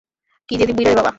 কী জেঁদী বুইড়া রে বাবা।